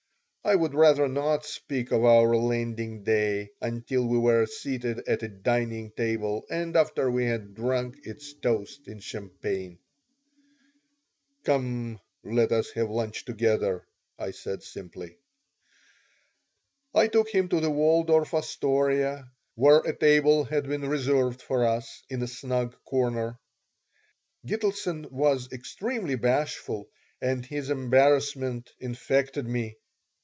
I would rather not speak of our Landing Day until we were seated at a dining table and after we had drunk its toast in champagne "Come, let us have lunch together," I said, simply I took him to the Waldorf Astoria, where a table had been reserved for us in a snug corner. Gitelson was extremely bashful and his embarrassment infected me.